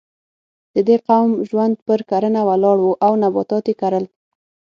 د دې قوم ژوند پر کرنه ولاړ و او نباتات یې کرل.